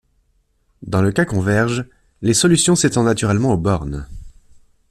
Dans le cas convergent, les solutions s'étendent naturellement aux bornes.